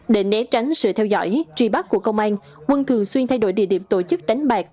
để né tránh sự theo dõi trì bắt của công an quân thường xuyên thay đổi địa điểm tổ chức đánh bạc